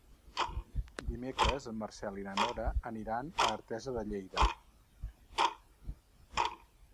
Dimecres en Marcel i na Nora aniran a Artesa de Lleida.